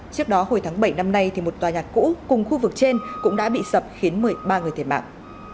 trước đó hồi tháng bảy năm nay một tòa nhà cũ cùng khu vực trên cũng đã bị sập khiến một mươi ba người thiệt mạng